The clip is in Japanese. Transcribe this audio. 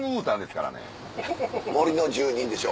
「森の住人」でしょ。